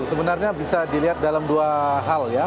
sebenarnya bisa dilihat dalam dua hal ya